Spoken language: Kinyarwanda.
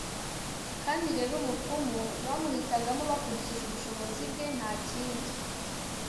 kandi rero umupfumu bamuhitagamo bakurikije ubushobozi bwe nta kindi